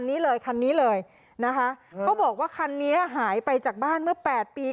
นี้เลยคันนี้เลยนะคะเขาบอกว่าคันนี้หายไปจากบ้านเมื่อแปดปี